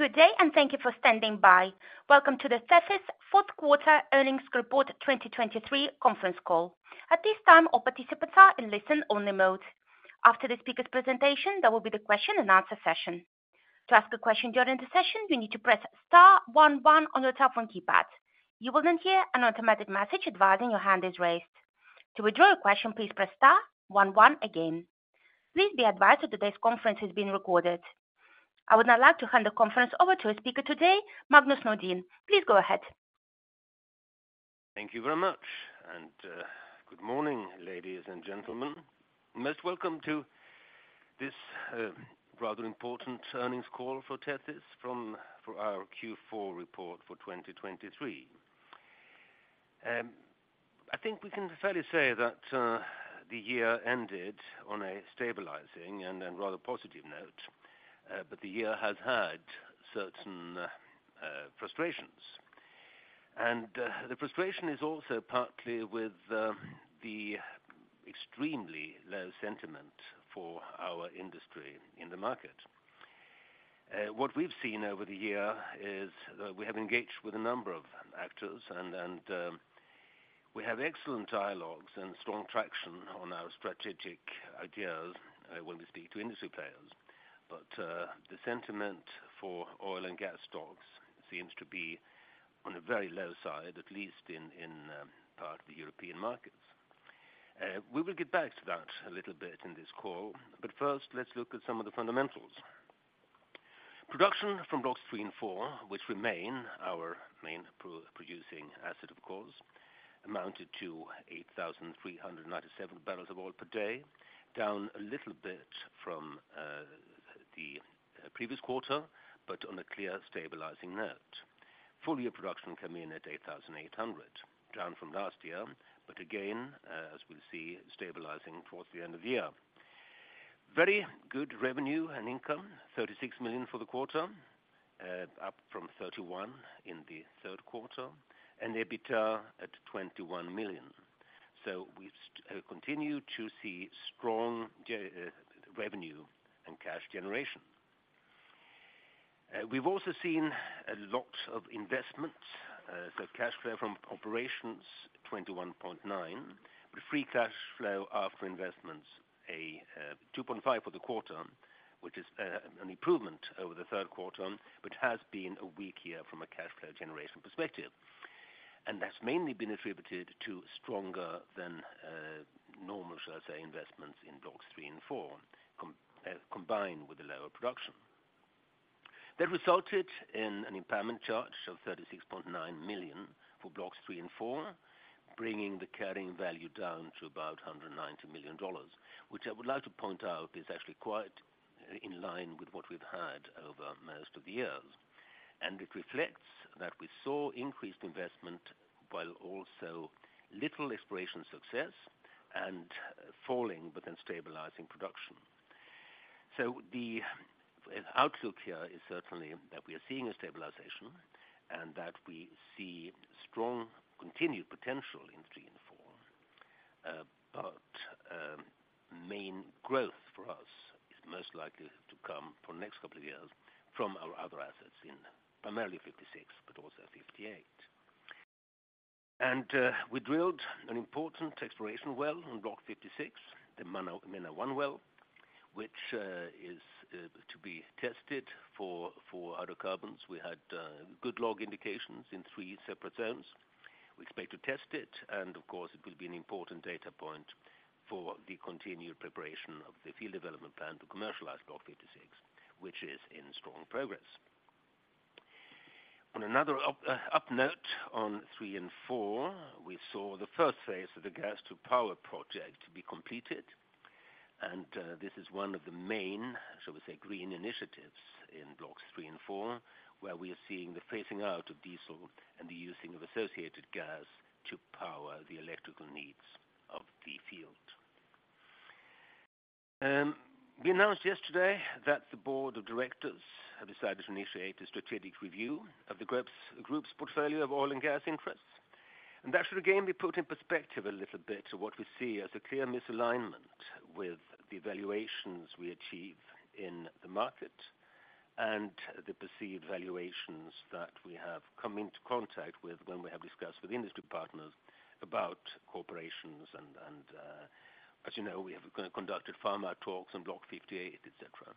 Good day, and thank you for standing by. Welcome to the Tethys Q4 earnings report 2023 conference call. At this time, all participants are in listen-only mode. After the speaker's presentation, there will be the question and answer session. To ask a question during the session, you need to press star one one on your telephone keypad. You will then hear an automatic message advising your hand is raised. To withdraw your question, please press star one one again. Please be advised that today's conference is being recorded. I would now like to hand the conference over to our speaker today, Magnus Nordin. Please go ahead. Thank you very much, and good morning, ladies and gentlemen. Most welcome to this rather important earnings call for Tethys for our Q4 report for 2023. I think we can fairly say that the year ended on a stabilizing and a rather positive note, but the year has had certain frustrations. And the frustration is also partly with the extremely low sentiment for our industry in the market. What we've seen over the year is that we have engaged with a number of actors, and we have excellent dialogues and strong traction on our strategic ideas when we speak to industry players. But the sentiment for oil and gas stocks seems to be on a very low side, at least in part of the European markets. We will get back to that a little bit in this call, but first, let's look at some of the fundamentals. Production from Block 3 and 4, which remain our main producing asset, of course, amounted to 8,397 barrels of oil per day, down a little bit from the previous quarter, but on a clear stabilizing note. Full year production came in at 8,800, down from last year, but again, as we'll see, stabilizing towards the end of the year. Very good revenue and income, $36 million for the quarter, up from $31 million in the Q3, and EBITDA at $21 million. So we continue to see strong revenue and cash generation. We've also seen a lot of investment, so cash flow from operations $21.9 million, with free cash flow after investments $2.5 million for the quarter, which is an improvement over the Q3, which has been a weak year from a cash flow generation perspective. And that's mainly been attributed to stronger than normal, shall I say, investments in Blocks 3 and 4, combined with the lower production. That resulted in an impairment charge of $36.9 million for Blocks 3 and 4, bringing the carrying value down to about $190 million, which I would like to point out is actually quite in line with what we've had over most of the years. And it reflects that we saw increased investment, while also little exploration success, and falling but then stabilizing production. So the outlook here is certainly that we are seeing a stabilization, and that we see strong continued potential in Blocks 3 and 4. But main growth for us is most likely to come for the next couple of years from our other assets in primarily Block 56, but also Block 58. And we drilled an important exploration well on Block 56, the Menna-1 well, which is to be tested for hydrocarbons. We had good log indications in three separate zones. We expect to test it, and of course, it will be an important data point for the continued preparation of the field development plan to commercialize Block 56, which is in strong progress. On another up, up note, on Block 3 and 4, we saw the first phase of the gas-to-power project be completed, and, this is one of the main, shall we say, green initiatives in Block 3 and 4, where we are seeing the phasing out of diesel and the using of associated gas to power the electrical needs of the field. We announced yesterday that the board of directors have decided to initiate a strategic review of the group's, group's portfolio of oil and gas interests. That should again be put in perspective a little bit to what we see as a clear misalignment with the valuations we achieve in the market, and the perceived valuations that we have come into contact with when we have discussed with industry partners about corporations and, as you know, we have conducted farm-out talks on Block 58, et cetera.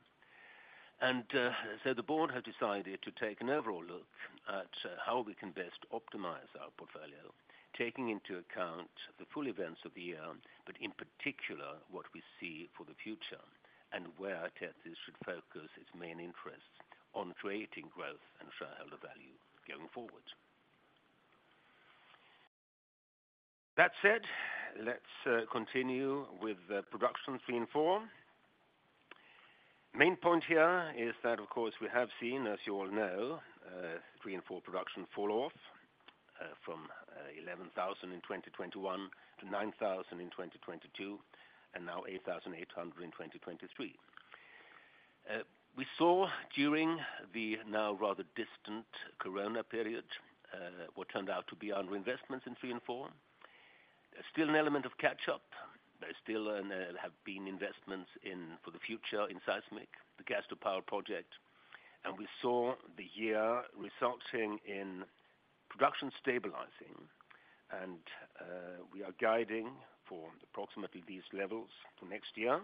So the board has decided to take an overall look at how we can best optimize our portfolio, taking into account the full events of the year, but in particular, what we see for the future, and where Tethys should focus its main interests on creating growth and shareholder value going forward. That said, let's continue with production 3 and 4. Main point here is that, of course, we have seen, as you all know, 3 and 4 production fall off from 11,000 in 2021 to 9,000 in 2022, and now 8,800 in 2023. We saw during the now rather distant corona period what turned out to be our investments in 3 and 4. There's still an element of catch up. There's still there have been investments in for the future in seismic, the gas-to-power project, and we saw the year resulting in production stabilizing. And we are guiding for approximately these levels for next year.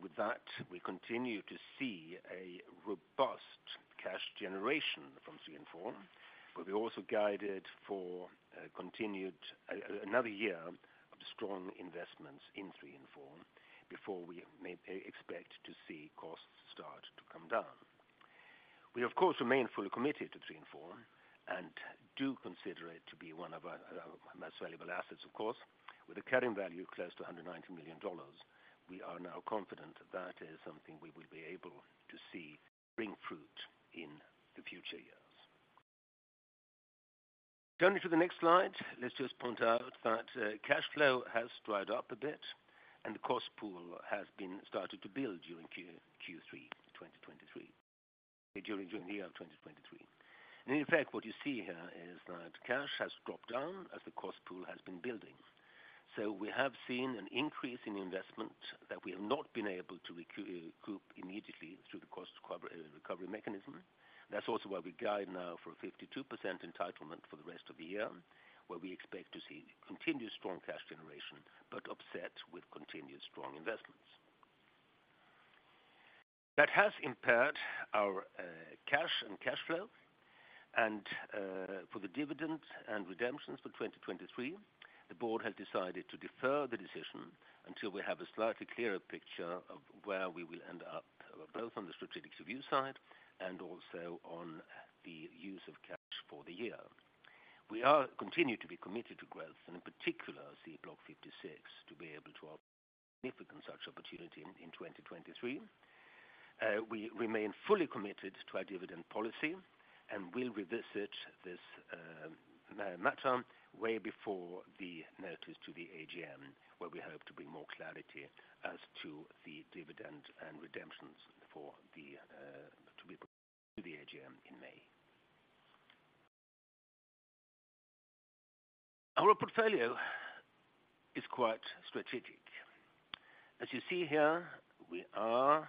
With that, we continue to see a robust cash generation from 3 and 4, but we also guided for continued another year of strong investments in 3 and 4 before we may expect to see costs start to come down. We, of course, remain fully committed to 3 and 4, and do consider it to be one of our, our most valuable assets, of course, with a carrying value close to $190 million. We are now confident that is something we will be able to see bring fruit in the future years. Turning to the next slide, let's just point out that cash flow has dried up a bit, and the cost pool has been started to build during Q3 2023, during the year of 2023. And in fact, what you see here is that cash has dropped down as the cost pool has been building. So we have seen an increase in investment that we have not been able to recoup immediately through the cost recovery mechanism. That's also why we guide now for a 52% entitlement for the rest of the year, where we expect to see continued strong cash generation, but offset with continued strong investments. That has impaired our cash and cash flow, and for the dividend and redemptions for 2023, the board has decided to defer the decision until we have a slightly clearer picture of where we will end up, both on the strategic review side and also on the use of cash for the year. We are continuing to be committed to growth, and in particular, Block 56, to be able to offer significant such opportunity in, in 2023. We remain fully committed to our dividend policy, and we'll revisit this, matter way before the notice to the AGM, where we hope to bring more clarity as to the dividend and redemptions for the, to be to the AGM in May. Our portfolio is quite strategic. As you see here, we are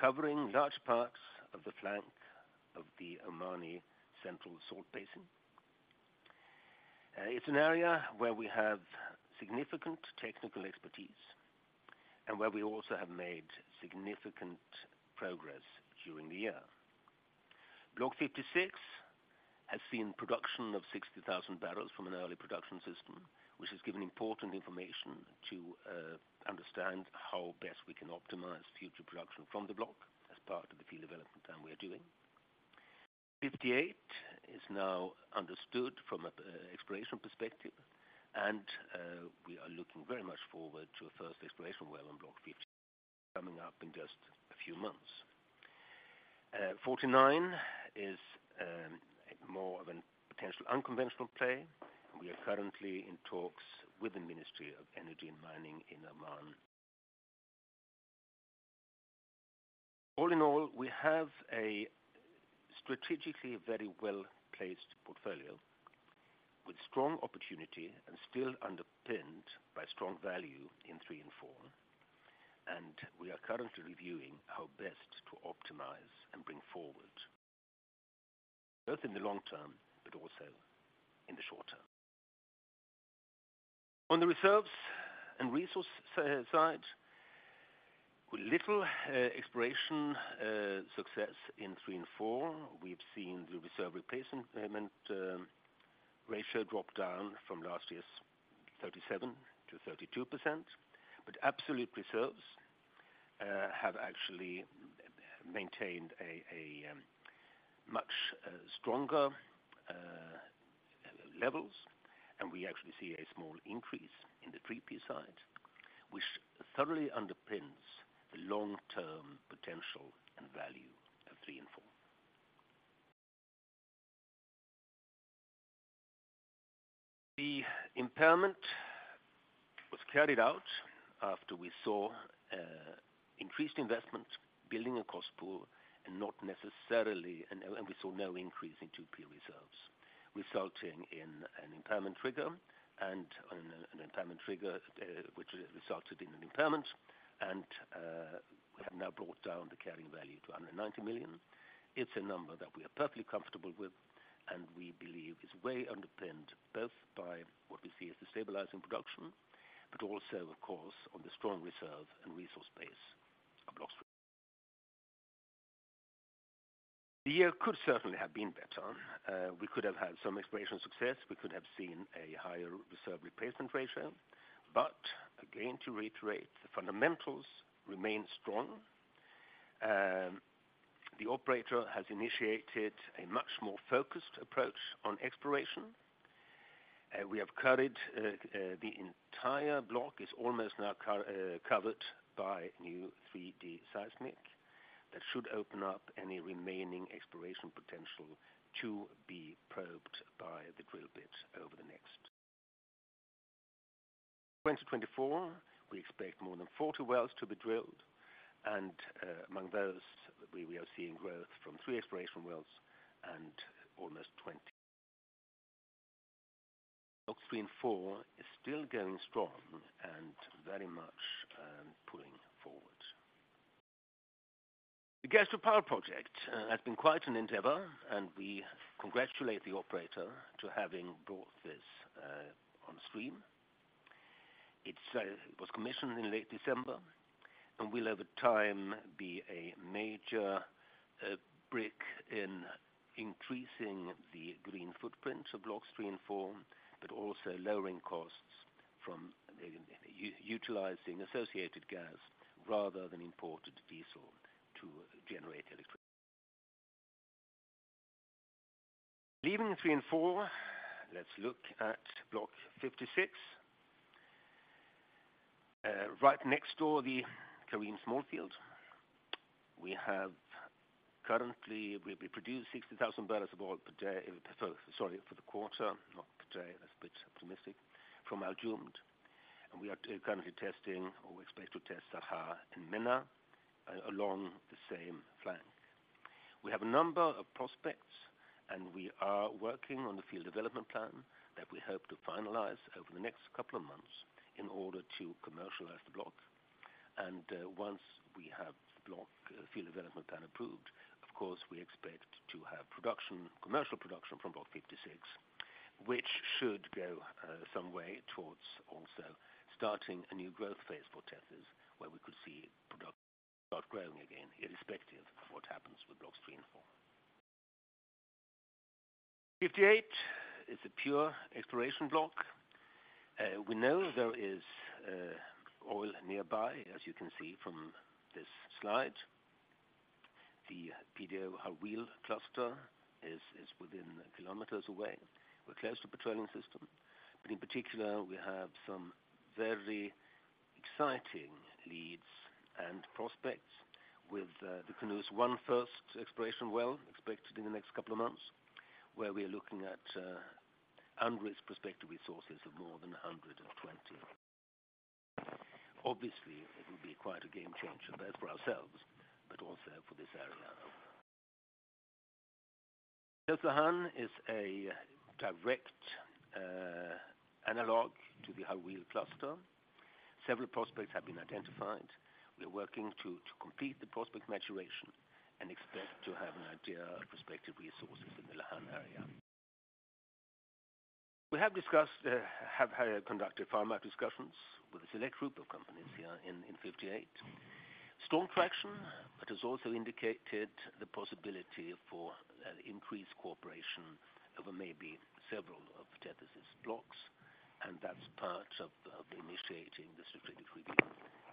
covering large parts of the flank of the Omani Central Salt Basin. It's an area where we have significant technical expertise and where we also have made significant progress during the year. Block 56 has seen production of 60,000 barrels from an early production system, which has given important information to understand how best we can optimize future production from the block as part of the field development that we are doing. 58 is now understood from an exploration perspective, and we are looking very much forward to a first exploration well on Block 58, coming up in just a few months. 49 is more of a potential unconventional play. We are currently in talks with the Ministry of Energy and Minerals in Oman. All in all, we have a strategically very well-placed portfolio with strong opportunity and still underpinned by strong value in 3 and 4. We are currently reviewing how best to optimize and bring forward, both in the long term, but also in the short term. On the reserves and resource side, with little exploration success in 3 and 4, we've seen the reserve replacement ratio drop down from last year's 37% to 32%. But absolute reserves have actually maintained a much stronger levels, and we actually see a small increase in the 3P side, which thoroughly underpins the long-term potential and value of 3 and 4. The impairment was carried out after we saw increased investments building a cost pool and not necessarily, and we saw no increase in 2P reserves, resulting in an impairment trigger and an impairment trigger, which resulted in an impairment, and we have now brought down the carrying value to under $90 million. It's a number that we are perfectly comfortable with, and we believe is way underpinned both by what we see as the stabilizing production, but also, of course, on the strong reserve and resource base of Block... The year could certainly have been better. We could have had some exploration success, we could have seen a higher reserve replacement ratio. But again, to reiterate, the fundamentals remain strong. The operator has initiated a much more focused approach on exploration. We have covered, the entire Block is almost now covered by new 3D seismic. That should open up any remaining exploration potential to be probed by the drill bits over the next year.... In 2024, we expect more than 40 wells to be drilled, and, among those, we are seeing growth from three exploration wells and almost 20. Block 3 and 4 is still going strong and very much pulling forward. The gas-to-power project has been quite an endeavor, and we congratulate the operator for having brought this on stream. It was commissioned in late December and will, over time, be a major brick in increasing the green footprint of Blocks 3 and 4, but also lowering costs from utilizing associated gas rather than imported diesel to generate electricity. Leaving 3 and 4, let's look at Block 56. Right next door, the Karim Small Field, we have currently we produce 60,000 barrels of oil per day, sorry, for the quarter, not per day, that's a bit optimistic, from Al Jumd. And we are currently testing, or we expect to test, Sarha and Menna along the same flank. We have a number of prospects, and we are working on the field development plan that we hope to finalize over the next couple of months in order to commercialize the Block. Once we have block field development plan approved, of course, we expect to have production, commercial production from Block 56, which should go some way towards also starting a new growth phase for Tethys, where we could see production start growing again, irrespective of what happens with Blocks 3 and 4. 58 is a pure exploration block. We know there is oil nearby, as you can see from this slide. The PDO Harweel cluster is within kilometers away. We're close to petroleum system, but in particular, we have some very exciting leads and prospects with the Kunooz-1 first exploration well expected in the next couple of months, where we are looking at unrisked prospective resources of more than 120. Obviously, it will be quite a game changer, both for ourselves, but also for this area. Lahan is a direct analog to the Harweel cluster. Several prospects have been identified. We're working to complete the prospect maturation and expect to have an idea of prospective resources in the Lahan area. We have discussed, have conducted farm-out discussions with a select group of companies here in 58. Strong traction, but has also indicated the possibility for an increased cooperation over maybe several of Tethys' blocks, and that's part of, of initiating the strategic review,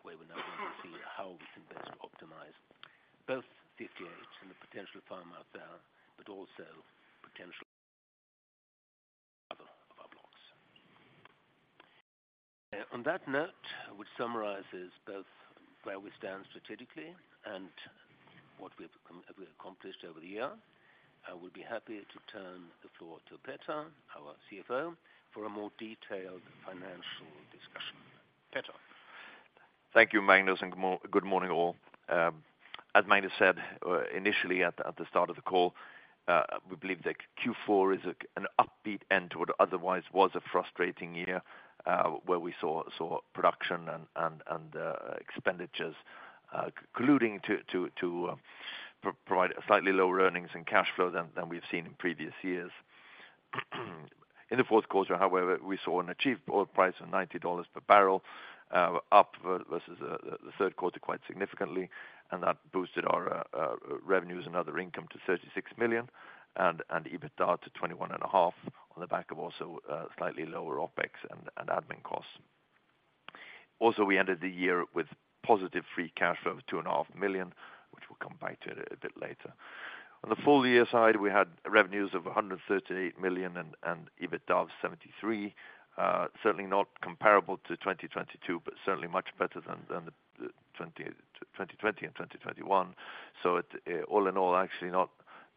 where we're now going to see how we can best optimize both 58 and the potential farmout there, but also potential other of our blocks. On that note, which summarizes both where we stand strategically and what we've accomplished over the year, I will be happy to turn the floor to Petter, our CFO, for a more detailed financial discussion. Petter? Thank you, Magnus, and good morning, all. As Magnus said, initially at the start of the call, we believe that Q4 is an upbeat end to what otherwise was a frustrating year, where we saw production and expenditures colluding to provide slightly lower earnings and cash flow than we've seen in previous years. In the Q4, however, we saw an achieved oil price of $90 per barrel, up versus the Q3 quite significantly, and that boosted our revenues and other income to $36 million, and EBITDA to 21.5, on the back of also slightly lower OpEx and admin costs. Also, we ended the year with positive free cash flow of $2.5 million, which we'll come back to it a bit later. On the full year side, we had revenues of $138 million and EBITDA of $73 million. Certainly not comparable to 2022, but certainly much better than the 2020 and 2021. So it, all in all, actually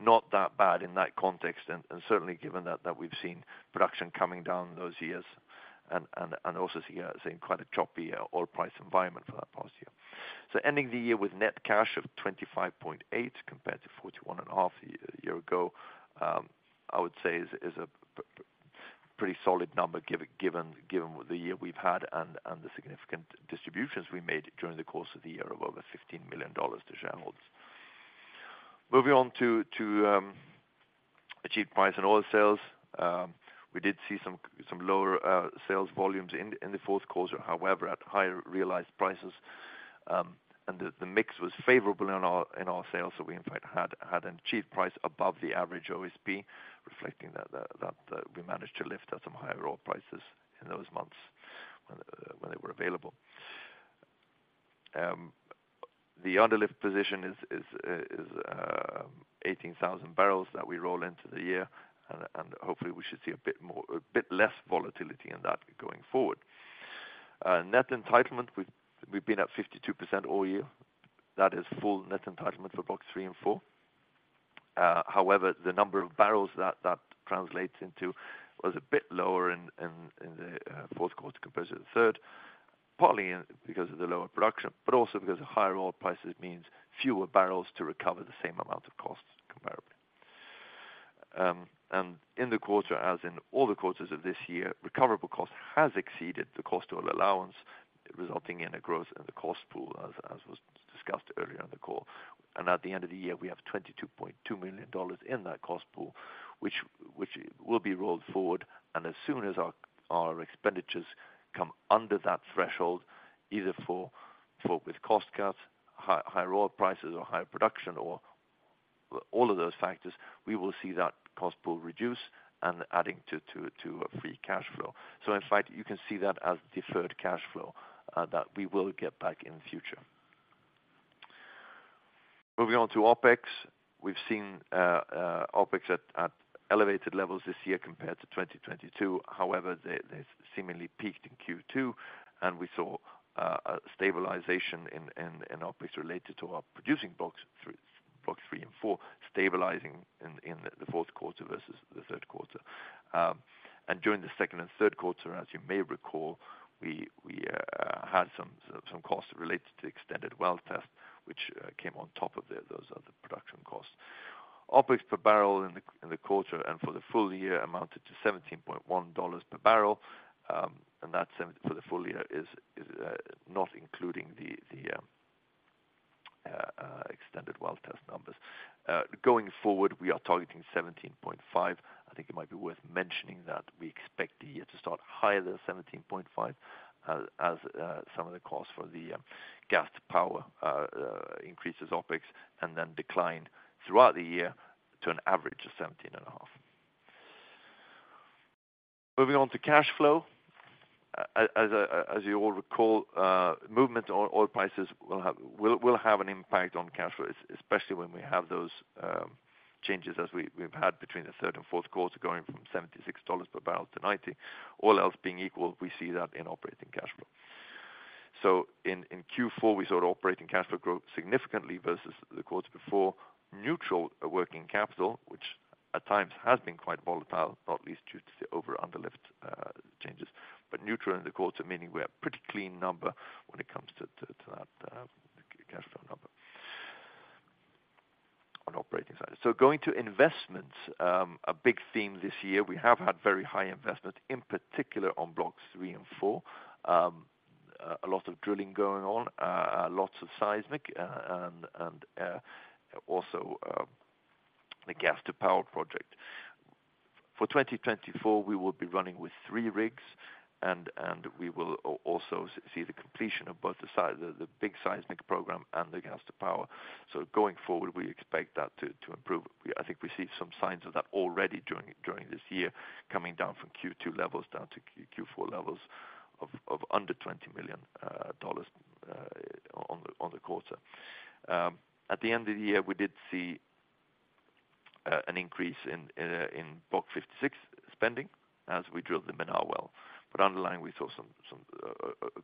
not that bad in that context and certainly given that we've seen production coming down those years and also seeing quite a choppy oil price environment for that past year. Ending the year with net cash of 25.8, compared to 41.5 a year ago, I would say is a pretty solid number given the year we've had and the significant distributions we made during the course of the year of over $15 million to shareholders. Moving on to achieved price on oil sales. We did see some lower sales volumes in the Q4, however, at higher realized prices. And the mix was favorable in our sales, so we in fact had an achieved price above the average OSP, reflecting that we managed to lift at some higher oil prices in those months when they were available. The underlift position is 18,000 barrels that we roll into the year, and hopefully we should see a bit less volatility in that going forward. Net entitlement, we've been at 52% all year. That is full net entitlement for Block 3and 4. However, the number of barrels that translates into was a bit lower in the Q4 compared to the third, partly because of the lower production, but also because the higher oil prices means fewer barrels to recover the same amount of costs comparably. And in the quarter, as in all the quarters of this year, recoverable cost has exceeded the cost oil allowance, resulting in a growth in the cost pool, as was discussed earlier on the call. At the end of the year, we have $22.2 million in that cost pool, which will be rolled forward, and as soon as our expenditures come under that threshold, either for with cost cuts, higher oil prices or higher production, or all of those factors, we will see that cost pool reduce and adding to a free cash flow. In fact, you can see that as deferred cash flow that we will get back in future. Moving on to OpEx, we've seen OpEx at elevated levels this year compared to 2022. However, they seemingly peaked in Q2, and we saw a stabilization in OpEx related to our producing Blocks 3 and 4, stabilizing in the Q4 versus the Q3. And during the second and Q3, as you may recall, we had some costs related to extended well test, which came on top of those other production costs. OpEx per barrel in the quarter and for the full year amounted to $17.10 per barrel, and that same for the full year is not including the extended well test numbers. Going forward, we are targeting 17.5. I think it might be worth mentioning that we expect the year to start higher than 17.5, as some of the costs for the gas-to-power increases OpEx, and then decline throughout the year to an average of 17.5. Moving on to cash flow. As you all recall, movement on oil prices will have an impact on cash flow, especially when we have those changes as we've had between the Q3 and Q4, going from $76 per barrel to $90. All else being equal, we see that in operating cash flow. So in Q4, we saw operating cash flow grow significantly versus the quarter before. Neutral working capital, which at times has been quite volatile, not least due to the over/underlift changes, but neutral in the quarter, meaning we're a pretty clean number when it comes to that cash flow number on operating side. So going to investments, a big theme this year, we have had very high investment, in particular on Blocks 3 and 4. A lot of drilling going on, lots of seismic, and also the gas-to-power project. For 2024, we will be running with three rigs, and we will also see the completion of both the big seismic program and the gas-to-power. So going forward, we expect that to improve. I think we see some signs of that already during this year, coming down from Q2 levels down to Q4 levels of under $20 million on the quarter. At the end of the year, we did see an increase in Block 56 spending as we drilled the Menna well. But underlying, we saw some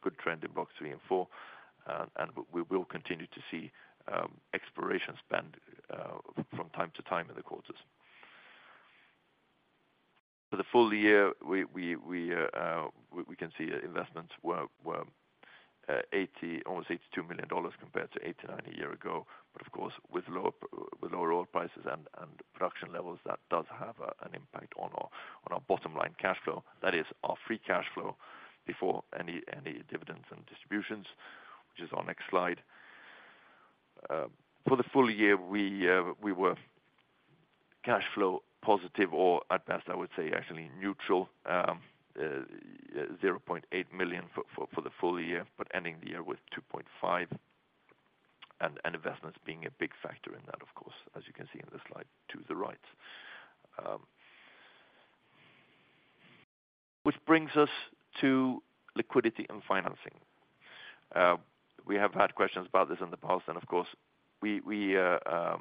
good trend in Blocks 3 and 4, and we will continue to see exploration spend from time to time in the quarters. For the full year, we can see investments were almost $82 million compared to $89 million a year ago. But of course, with lower oil prices and production levels, that does have an impact on our bottom line cash flow, that is our free cash flow before any dividends and distributions, which is our next slide. For the full year, we were cash flow positive, or at best, I would say actually neutral. $0.8 million for the full year, but ending the year with $2.5 million, and investments being a big factor in that, of course, as you can see in the slide to the right. Which brings us to liquidity and financing. We have had questions about this in the past, and of course, we have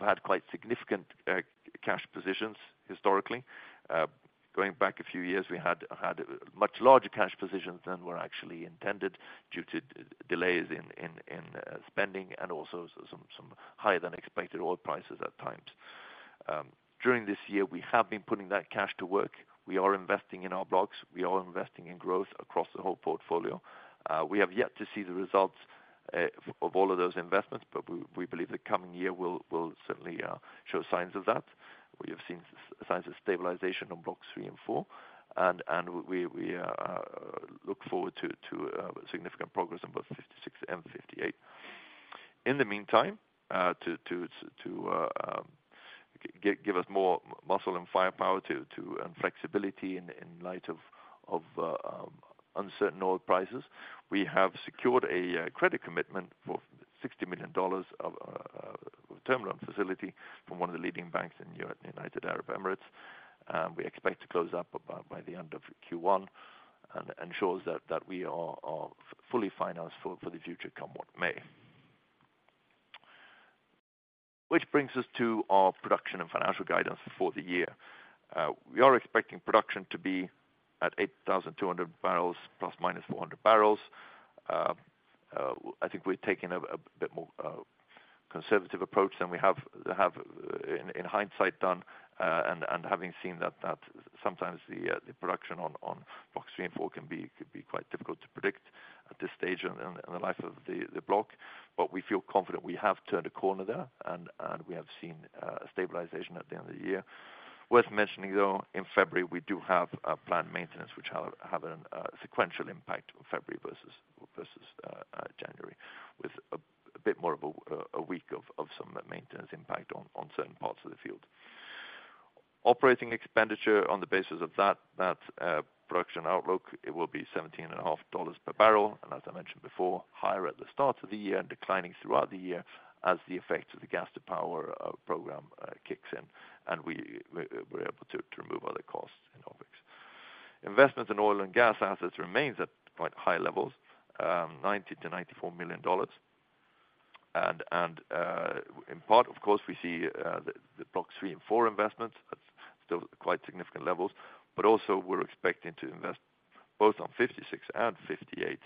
had quite significant cash positions historically. Going back a few years, we had much larger cash positions than were actually intended due to delays in spending and also higher than expected oil prices at times. During this year, we have been putting that cash to work. We are investing in our blocks. We are investing in growth across the whole portfolio. We have yet to see the results of all of those investments, but we believe the coming year will certainly show signs of that. We have seen signs of stabilization on Blocks 3 and 4, and we look forward to significant progress in both 56 and 58. In the meantime, to give us more muscle and firepower and flexibility in light of uncertain oil prices, we have secured a credit commitment for $60 million term loan facility from one of the leading banks in the United Arab Emirates. We expect to close up about by the end of Q1 and ensures that we are fully financed for the future, come what may. Which brings us to our production and financial guidance for the year. We are expecting production to be at 8,200 barrels ±400 barrels. I think we've taken a bit more conservative approach than we have in hindsight done. And having seen that sometimes the production on Block 3 and 4 can be quite difficult to predict at this stage in the life of the block. But we feel confident we have turned a corner there, and we have seen a stabilization at the end of the year. Worth mentioning, though, in February, we do have a planned maintenance which have a sequential impact on February versus January, with a bit more of a week of some maintenance impact on certain parts of the field. Operating expenditure on the basis of that production outlook, it will be $17.5 per barrel, and as I mentioned before, higher at the start of the year and declining throughout the year, as the effect of the gas-to-power program kicks in, and we're able to remove other costs in OpEx. Investment in oil and gas assets remains at quite high levels, $90-$94 million. In part, of course, we see the Block 3 and 4 investments, that's still quite significant levels, but also we're expecting to invest both on 56 and 58,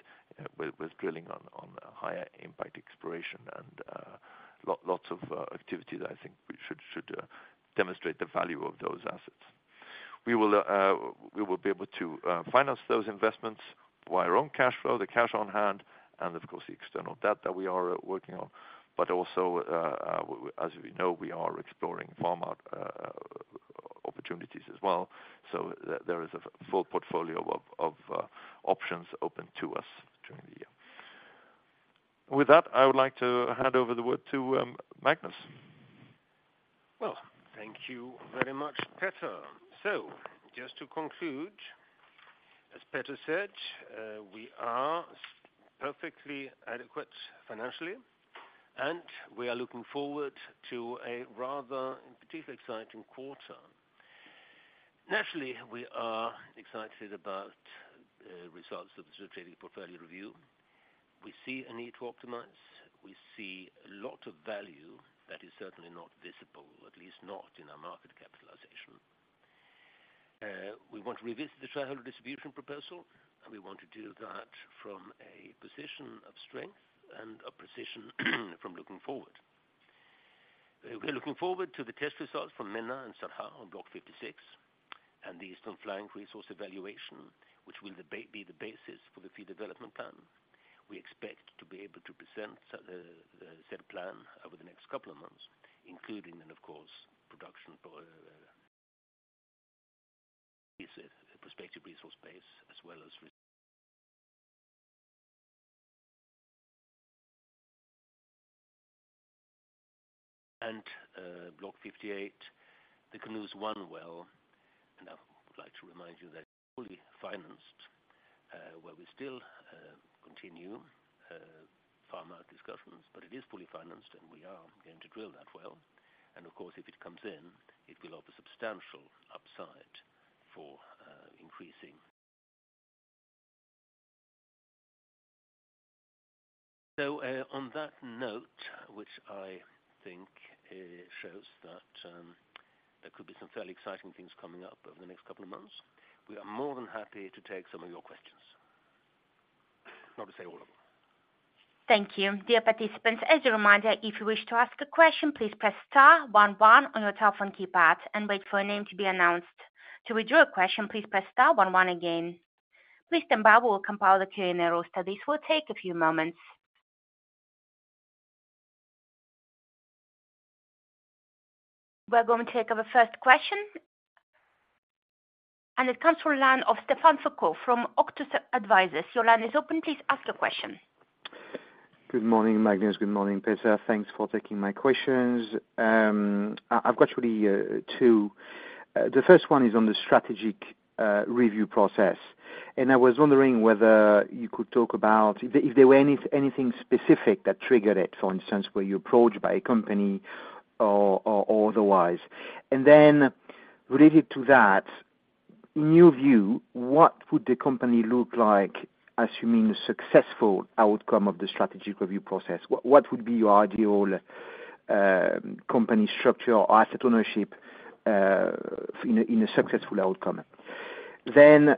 with drilling on higher impact exploration and lots of activity that I think we should demonstrate the value of those assets. We will be able to finance those investments by our own cash flow, the cash on hand, and of course, the external debt that we are working on. But also, as we know, we are exploring farm-out opportunities as well. So there is a full portfolio of options open to us during the year. With that, I would like to hand over the word to Magnus. Well, thank you very much, Petter. So just to conclude, as Petter said, we are perfectly adequate financially, and we are looking forward to a rather particularly exciting quarter. Naturally, we are excited about results of the strategic portfolio review. We see a need to optimize. We see a lot of value that is certainly not visible, at least not in our market capitalization. We want to revisit the shareholder distribution proposal, and we want to do that from a position of strength and a position from looking forward. We're looking forward to the test results from Menna and Sarha on Block 56, and the Eastern Flank resource evaluation, which will be the basis for the field development plan. We expect to be able to present the said plan over the next couple of months, including then, of course, production for prospective resource base, as well as. And Block 58, the Kunooz-1 well, and I would like to remind you that fully financed, where we still continue farm-out discussions, but it is fully financed, and we are going to drill that well. And of course, if it comes in, it will offer substantial upside for increasing. So on that note, which I think shows that there could be some fairly exciting things coming up over the next couple of months, we are more than happy to take some of your questions. Not to say all of them. Thank you. Dear participants, as a reminder, if you wish to ask a question, please press star one one on your telephone keypad and wait for a name to be announced. To withdraw a question, please press star one one again. Please stand by, we will compile the Q&A roster. This will take a few moments. We're going to take our first question, and it comes from line of Stephane Foucaud from Auctus Advisors. Your line is open, please ask your question. Good morning, Magnus. Good morning, Petter. Thanks for taking my questions. I've got really two. The first one is on the strategic review process, and I was wondering whether you could talk about if there were anything specific that triggered it, for instance, were you approached by a company or otherwise? And then related to that, in your view, what would the company look like, assuming a successful outcome of the strategic review process? What would be your ideal company structure or asset ownership in a successful outcome? Then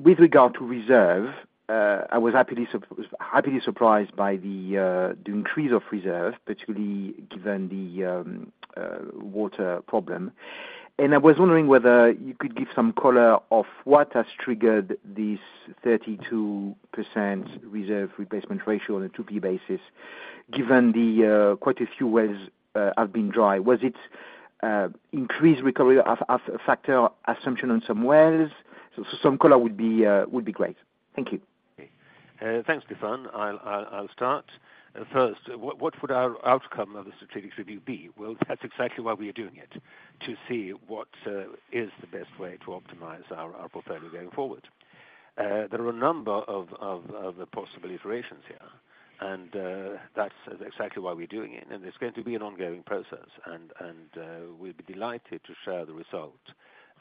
with regard to reserve, I was happily surprised by the increase of reserve, particularly given the water problem. I was wondering whether you could give some color of what has triggered this 32% reserve replacement ratio on a 2P basis, given the quite a few wells have been dry. Was it increased recovery factor assumption on some wells? So some color would be great. Thank you. Thanks, Stephane. I'll start. First, what would our outcome of the strategic review be? Well, that's exactly why we are doing it, to see what is the best way to optimize our portfolio going forward. There are a number of possible iterations here, and that's exactly why we're doing it, and it's going to be an ongoing process, and we'll be delighted to share the result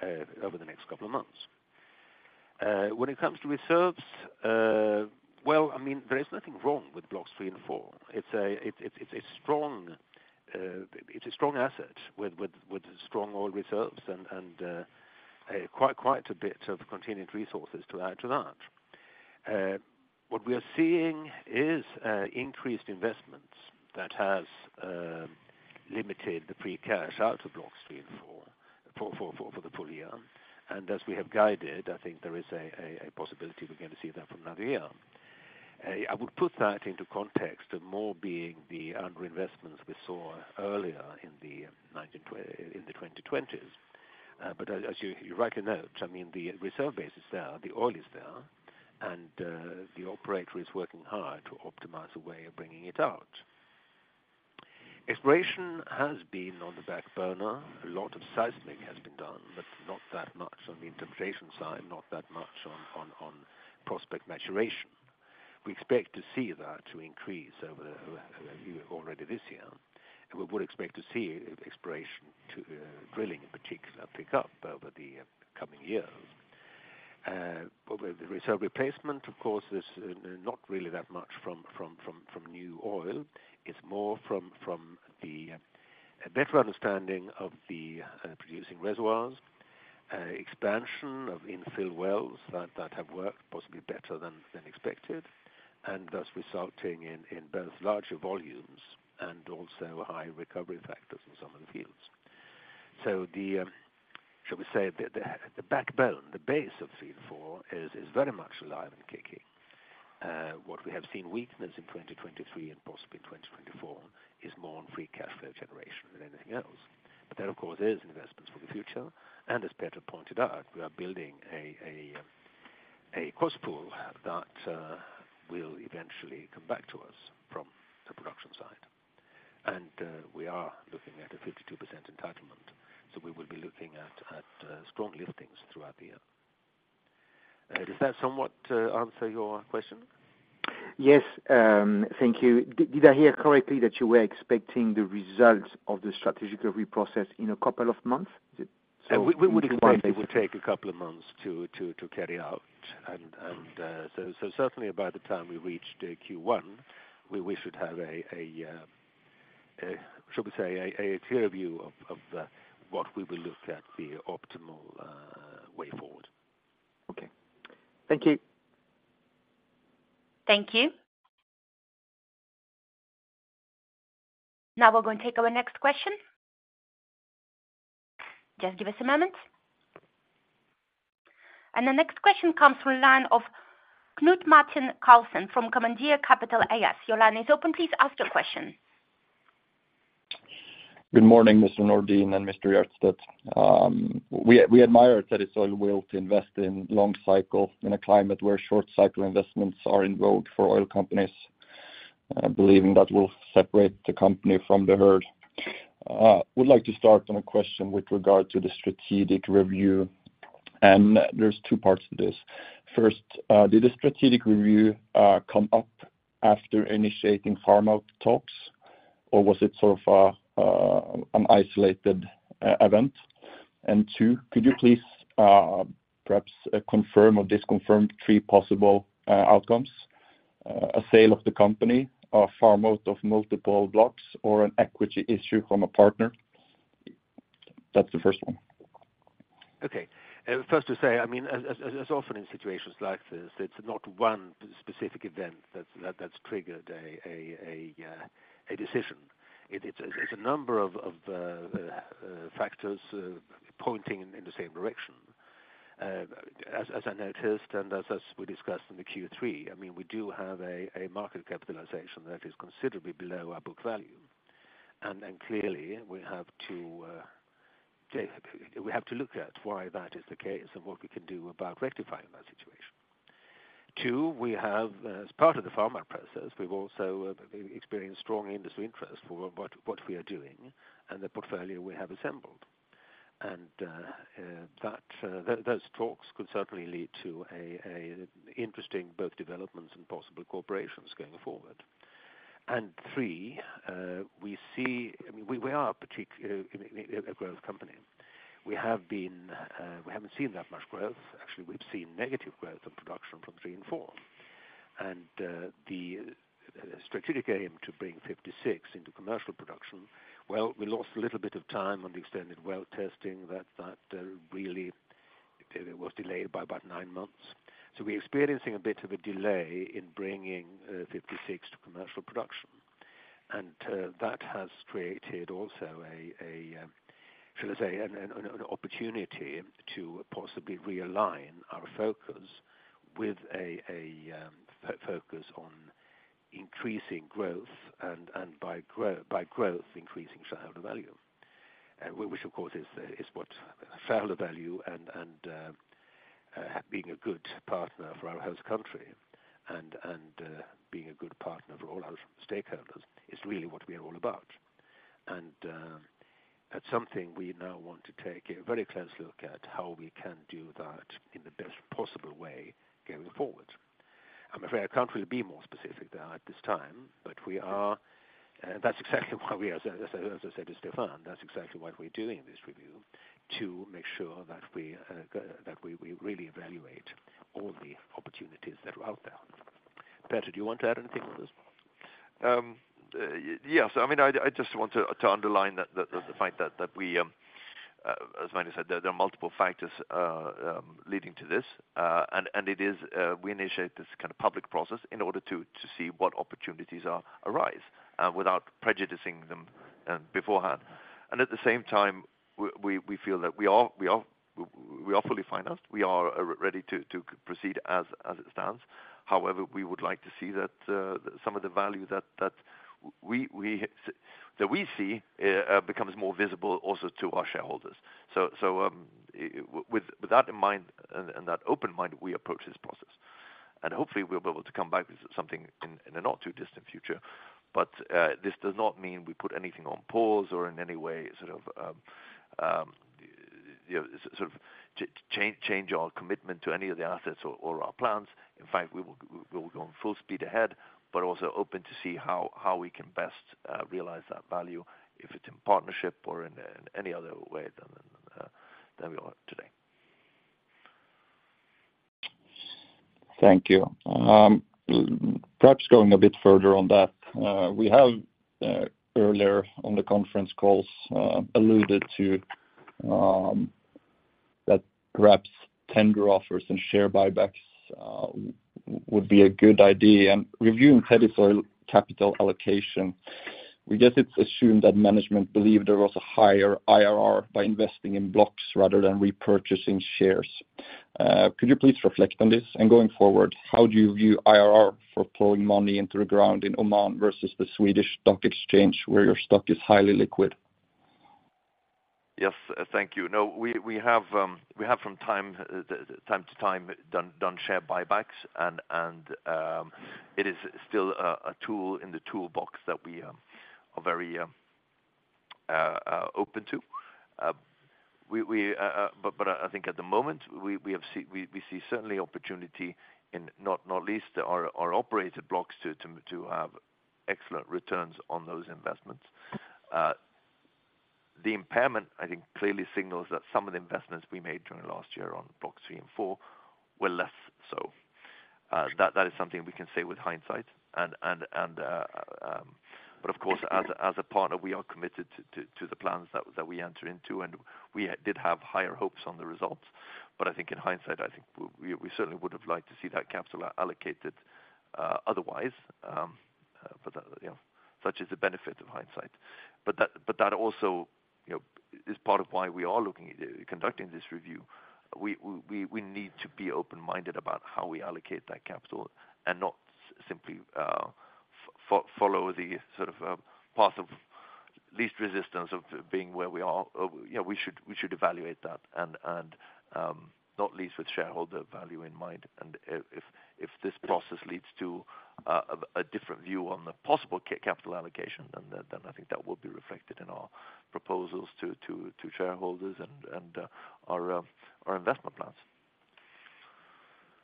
over the next couple of months. When it comes to reserves, well, I mean, there is nothing wrong with Blocks 3 and 4. It's a strong asset with strong oil reserves and quite a bit of continued resources to add to that. What we are seeing is increased investments that has limited the free cash out of Blocks 3 and 4 for the full year. And as we have guided, I think there is a possibility we're gonna see that from another year. I would put that into context of more being the under investments we saw earlier in the 2020s. But as you rightly note, I mean, the reserve base is there, the oil is there, and the operator is working hard to optimize a way of bringing it out. Exploration has been on the back burner. A lot of seismic has been done, but not that much on the interpretation side, not that much on prospect maturation. We expect to see that to increase over, already this year, and we would expect to see exploration to, drilling in particular, pick up over the coming years. But with the reserve replacement, of course, there's not really that much from new oil. It's more from the, a better understanding of the, producing reservoirs, expansion of infill wells that have worked possibly better than expected, and thus resulting in both larger volumes and also high recovery factors in some of the fields. So the, shall we say, the backbone, the base of 3 and 4 is very much alive and kicking. What we have seen weakness in 2023 and possibly in 2024, is more on free cash flow generation than anything else. But there, of course, is investments for the future, and as Petter pointed out, we are building a cost pool that will eventually come back to us from the production side. And we are looking at a 52% entitlement, so we will be looking at strong liftings throughout the year. Does that somewhat answer your question? Yes. Thank you. Did, did I hear correctly that you were expecting the results of the strategic reprocess in a couple of months? Is it so- We think it will take a couple of months to carry out. And so certainly by the time we reach the Q1, we should have, should we say, a clear view of what we will look at the optimal way forward. Okay. Thank you. Thank you. Now, we're going to take our next question. Just give us a moment. And the next question comes from line of Knut Martin Carlsen from Kommandør Capital AS. Your line is open. Please ask your question. Good morning, Mr. Nordin and Mr. Hjertstedt. We admire that it's worthwhile to invest in long-cycle in a climate where short-cycle investments are in vogue for oil companies, believing that will separate the company from the herd. Would like to start with a question with regard to the strategic review, and there's two parts to this. First, did the strategic review come up after initiating farm-out talks, or was it sort of an isolated event? And two, could you please perhaps confirm or disconfirm three possible outcomes? A sale of the company, a farm-out of multiple blocks, or an equity issue from a partner. That's the first one. Okay. First to say, I mean, as often in situations like this, it's not one specific event that's triggered a decision. It's a number of factors pointing in the same direction. As I noticed, and as we discussed in the Q3, I mean, we do have a market capitalization that is considerably below our book value. And clearly, we have to take... We have to look at why that is the case and what we can do about rectifying that situation. Two, we have, as part of the farm-out process, we've also experienced strong industry interest for what we are doing and the portfolio we have assembled. Those talks could certainly lead to an interesting both developments and possible corporations going forward. And third, we see, I mean, we are particularly a growth company. We have been, we haven't seen that much growth. Actually, we've seen negative growth and production from 3 and 4. And, the strategic aim to bring 56 into commercial production, well, we lost a little bit of time on the extended well testing, that really, it was delayed by about 9 months. So we're experiencing a bit of a delay in bringing 56 to commercial production. And, that has created also a, shall I say, an opportunity to possibly realign our focus with a, focus on increasing growth, and, by growth, increasing shareholder value. Which of course is what shareholder value and being a good partner for our host country and being a good partner for all our stakeholders is really what we are all about. That's something we now want to take a very close look at how we can do that in the best possible way going forward. I'm afraid I can't really be more specific than at this time, but we are, that's exactly why we are, as I said to Stefan, that's exactly why we're doing this review, to make sure that we that we really evaluate all the opportunities that are out there. Petter, do you want to add anything on this? Yes, I mean, I just want to underline that, the fact that we, as Magnus said, there are multiple factors leading to this. And it is, we initiate this kind of public process in order to see what opportunities arise without prejudicing them beforehand. And at the same time, we feel that we are fully financed. We are ready to proceed as it stands. However, we would like to see that some of the value that we see becomes more visible also to our shareholders. With that in mind, and that open mind, we approach this process, and hopefully we'll be able to come back with something in the not too distant future. But this does not mean we put anything on pause or in any way, sort of, you know, sort of change our commitment to any of the assets or our plans. In fact, we will go on full speed ahead, but also open to see how we can best realize that value, if it's in partnership or in any other way than we are today. Thank you. Perhaps going a bit further on that, we have, earlier on the conference calls, alluded to, that perhaps tender offers and share buybacks, would be a good idea, and reviewing Tethys Oil capital allocation, we guess it's assumed that management believed there was a higher IRR by investing in blocks rather than repurchasing shares. Could you please reflect on this? And going forward, how do you view IRR for pouring money into the ground in Oman versus the Swedish Stock Exchange, where your stock is highly liquid? Yes, thank you. No, we have from time to time done share buybacks, and it is still a tool in the toolbox that we are very open to. But I think at the moment, we see certainly opportunity in not least our operator blocks to have excellent returns on those investments. The impairment, I think, clearly signals that some of the investments we made during last year on Block 3 and 4 were less so. That is something we can say with hindsight, but of course, as a partner, we are committed to the plans that we enter into, and we did have higher hopes on the results. But I think in hindsight, I think we certainly would have liked to see that capital allocated otherwise. But you know, such is the benefit of hindsight. But that also you know is part of why we are looking at conducting this review. We we need to be open-minded about how we allocate that capital, and not simply follow the sort of path of least resistance of being where we are. Yeah, we should evaluate that, and not least with shareholder value in mind, and if this process leads to a different view on the possible capital allocation, then that I think that will be reflected in our proposals to shareholders and our investment plans.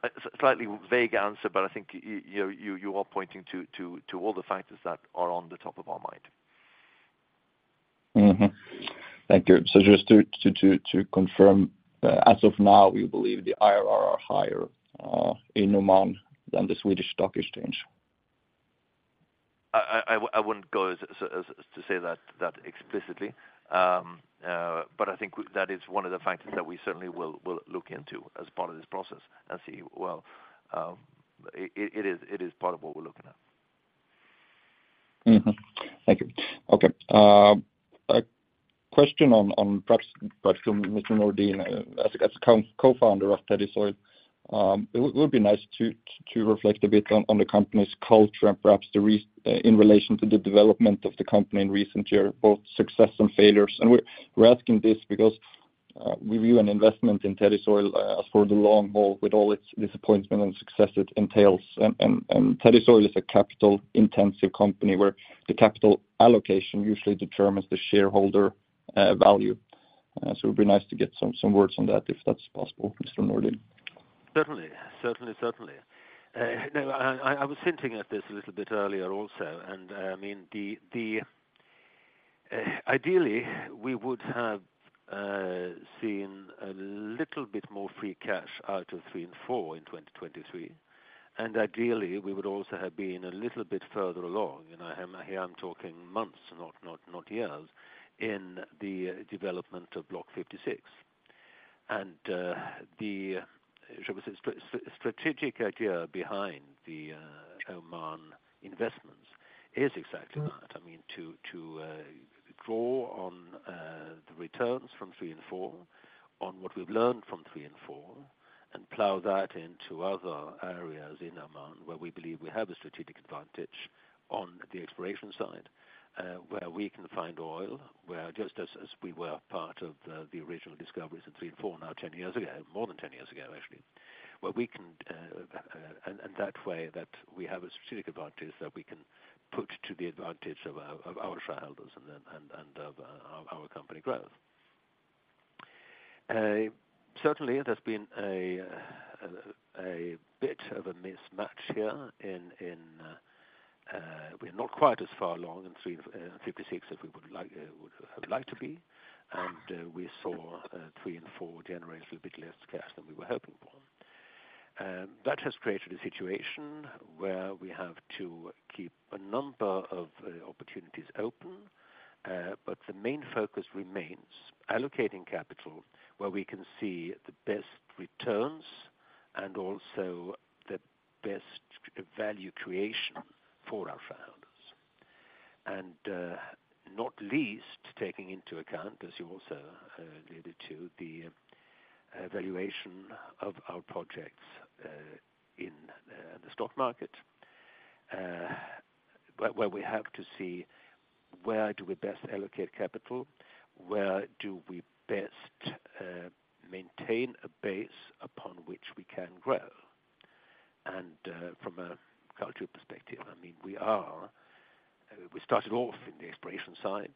A slightly vague answer, but I think you are pointing to all the factors that are on the top of our mind. Mm-hmm. Thank you. So just to confirm, as of now, we believe the IRR are higher in Oman than the Swedish Stock Exchange? I wouldn't go as to say that explicitly. But I think that is one of the factors that we certainly will look into as part of this process and see. Well, it is part of what we're looking at. Mm-hmm. Thank you. Okay, a question on, perhaps from Mr. Nordin, as co-founder of Tethys Oil, it would be nice to reflect a bit on the company's culture and perhaps the recent, in relation to the development of the company in recent years, both success and failures. And we're asking this because we view an investment in Tethys Oil for the long haul, with all its disappointment and success it entails. And Tethys Oil is a capital-intensive company, where the capital allocation usually determines the shareholder value. So it would be nice to get some words on that, if that's possible, Mr. Nordin. Certainly. Certainly, certainly. No, I was hinting at this a little bit earlier also, and, I mean, ideally, we would have seen a little bit more free cash out of 3 and 4 in 2023, and ideally, we would also have been a little bit further along, and I, here I'm talking months, not years, in the development of Block 56. And the, should I say, strategic idea behind the Oman investments is exactly that. I mean, to draw on the returns from 3 and 4, on what we've learned from 3 and 4, and plow that into other areas in Oman, where we believe we have a strategic advantage on the exploration side, where we can find oil, where just as we were part of the original discoveries of 3 and 4, now 10 years ago, more than 10 years ago, actually, where we can and that way, that we have a strategic advantage that we can put to the advantage of our shareholders and then and of our company growth. Certainly there's been a bit of a mismatch here in, we're not quite as far along in three, fifty-six as we would like to be. We saw 3 and 4 generate a little bit less cash than we were hoping for. That has created a situation where we have to keep a number of opportunities open. But the main focus remains allocating capital where we can see the best returns and also the best value creation for our shareholders. And not least, taking into account, as you also alluded to, the valuation of our projects in the stock market. But where we have to see where do we best allocate capital? Where do we best maintain a base upon which we can grow? And from a cultural perspective, I mean, we are, we started off in the exploration side.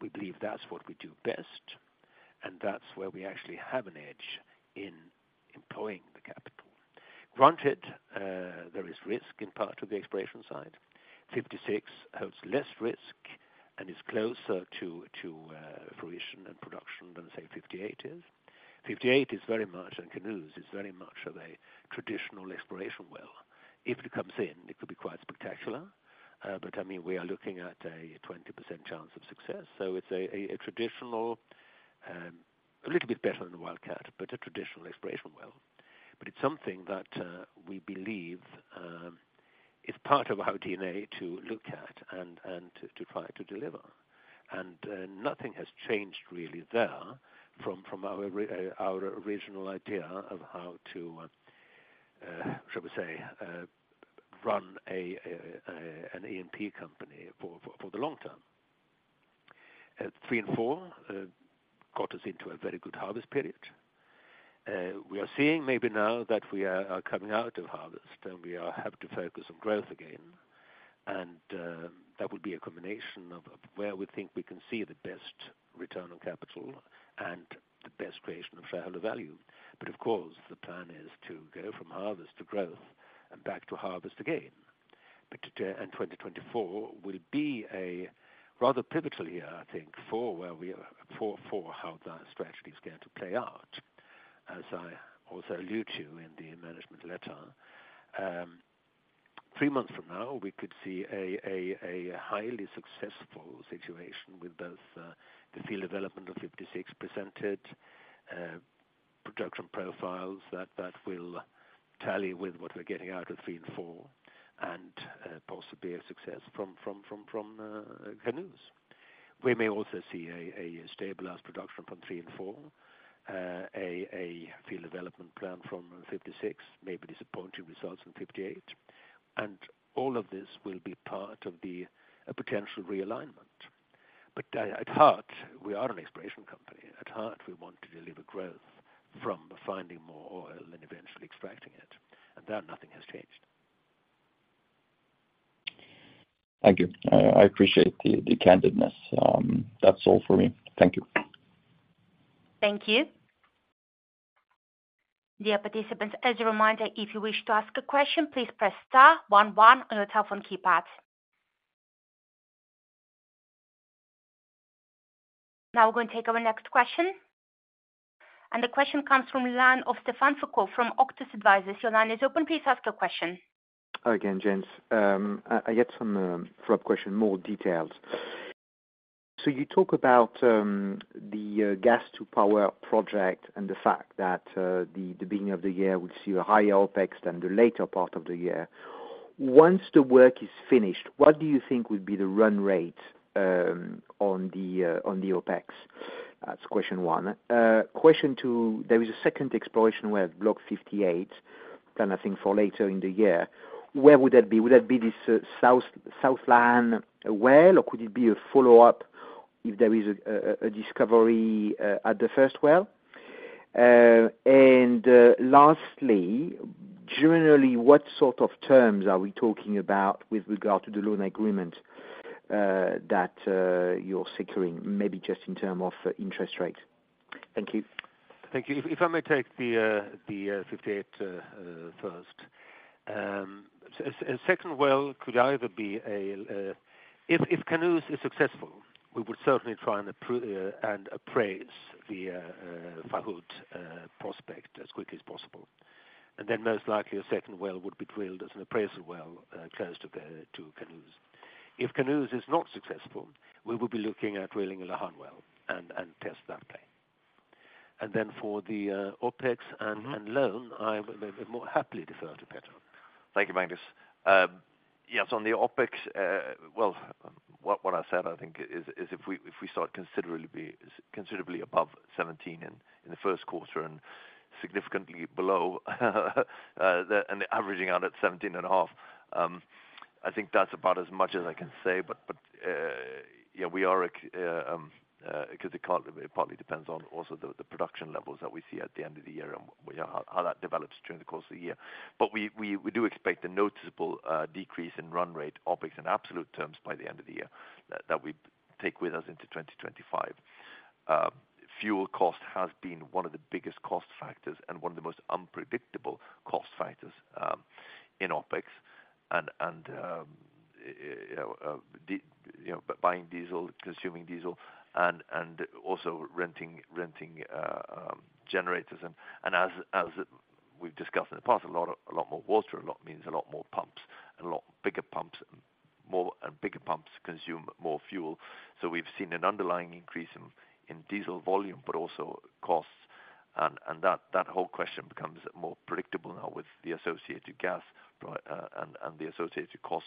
We believe that's what we do best, and that's where we actually have an edge in employing the capital. Granted, there is risk in part of the exploration side. Block 56 holds less risk and is closer to fruition and production than, say, Block 58 is. Block 58 is very much, and Kunooz is very much of a traditional exploration well. If it comes in, it could be quite spectacular, but I mean, we are looking at a 20% chance of success. So it's a traditional, a little bit better than a wildcat, but a traditional exploration well. But it's something that we believe is part of our DNA to look at and to try to deliver. And nothing has changed really there from our original idea of how to, shall we say, run an E&P company for the long term. 3 and 4 got us into a very good harvest period. We are seeing maybe now that we are coming out of harvest, and we are have to focus on growth again. That would be a combination of where we think we can see the best return on capital and the best creation of shareholder value. But of course, the plan is to go from harvest to growth and back to harvest again. And 2024 will be a rather pivotal year, I think, for how the strategy is going to play out. As I also allude to in the management letter, three months from now, we could see a highly successful situation with both the field development of 56 presented production profiles that will tally with what we're getting out of 3 and 4, and possibly a success from Kunooz. We may also see a stabilized production from 3 and 4, a field development plan from 56, maybe disappointing results from 58, and all of this will be part of a potential realignment. But at heart, we are an exploration company. At heart, we want to deliver growth from finding more oil and eventually extracting it, and that nothing has changed. Thank you. I appreciate the candidness. That's all for me. Thank you. Thank you. Dear participants, as a reminder, if you wish to ask a question, please press star one one on your telephone keypad. Now we're going to take our next question, and the question comes from Stephane Foucaud from Auctus Advisors. Your line is open, please ask your question. Hi again, gents. I get some follow-up question, more details. So you talk about the gas-to-power project and the fact that the beginning of the year will see a higher OpEx than the later part of the year. Once the work is finished, what do you think would be the run rate on the OpEx? That's question one. Question two, there is a second exploration with Block 58, planned I think for later in the year. Where would that be? Would that be this South Lahan well, or could it be a follow-up if there is a discovery at the first well? Lastly, generally, what sort of terms are we talking about with regard to the loan agreement that you're securing, maybe just in terms of interest rate? Thank you. Thank you. If I may take the 58 first. A second well could either be a... If Kunooz is successful, we would certainly try and appraise the Fahd prospect as quickly as possible. And then most likely, a second well would be drilled as an appraisal well close to the Kunooz. If Kunooz is not successful, we will be looking at drilling a Lahan well and test that play. And then for the OpEx and loan, I will more happily defer to Petter. Thank you, Magnus. Yes, on the OpEx, well, what I said, I think, is if we start considerably above $17 in the Q1 and significantly below and averaging out at $17.5, I think that's about as much as I can say. But yeah, we are, because it partly depends on also the production levels that we see at the end of the year and how that develops during the course of the year. But we do expect a noticeable decrease in run rate OpEx in absolute terms by the end of the year, that we take with us into 2025. Fuel cost has been one of the biggest cost factors and one of the most unpredictable cost factors in OpEx. You know, buying diesel, consuming diesel, and also renting generators. As we've discussed in the past, a lot more water means a lot more pumps and a lot bigger pumps, more and bigger pumps consume more fuel. So we've seen an underlying increase in diesel volume, but also costs. That whole question becomes more predictable now with the associated gas and the associated cost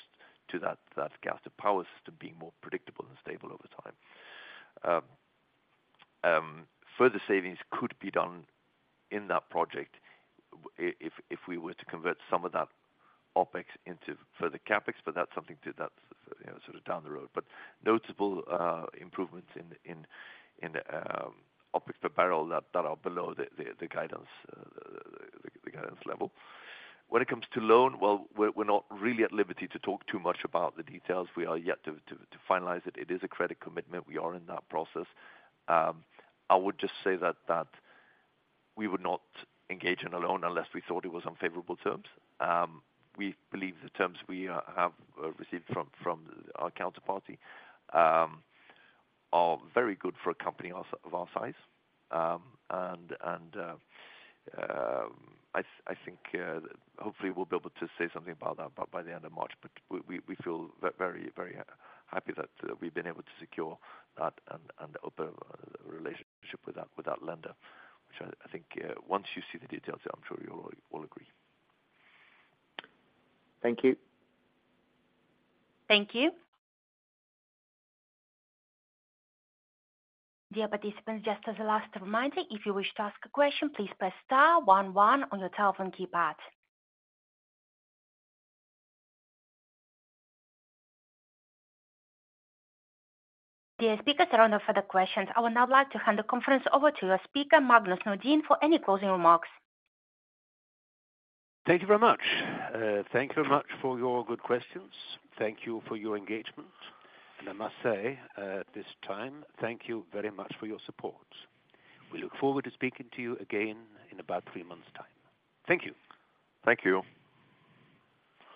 to that gas, the power system being more predictable and stable over time. Further savings could be done in that project if we were to convert some of that OpEx into further CapEx, but that's something, you know, sort of down the road. But notable improvements in OpEx per barrel that are below the guidance level. When it comes to loan, well, we're not really at liberty to talk too much about the details. We are yet to finalize it. It is a credit commitment. We are in that process. I would just say that we would not engage in a loan unless we thought it was on favorable terms. We believe the terms we have received from our counterparty are very good for a company of our size. I think hopefully we'll be able to say something about that by the end of March, but we feel very happy that we've been able to secure that and open a relationship with that lender, which I think once you see the details, I'm sure you'll all agree. Thank you. Thank you. Dear participants, just as a last reminder, if you wish to ask a question, please press star one one on your telephone keypad. Dear speakers, there are no further questions. I would now like to hand the conference over to your speaker, Magnus Nordin, for any closing remarks. Thank you very much. Thank you very much for your good questions. Thank you for your engagement. And I must say, at this time, thank you very much for your support. We look forward to speaking to you again in about three months' time. Thank you. Thank you.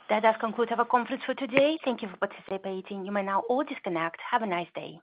That does conclude our conference for today. Thank you for participating. You may now all disconnect. Have a nice day.